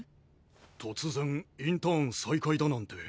突然インターン再開だなんて。